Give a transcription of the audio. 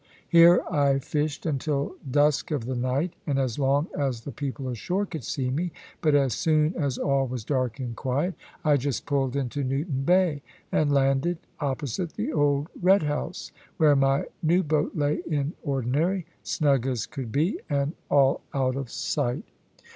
Here I fished until dusk of the night, and as long as the people ashore could see me; but as soon as all was dark and quiet, I just pulled into Newton Bay, and landed opposite the old "Red house," where my new boat lay in ordinary, snug as could be, and all out of sight.